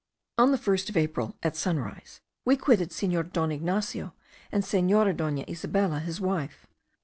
On the 1st of April, at sunrise, we quitted Senor Don Ignacio and Senora Dona Isabella his wife.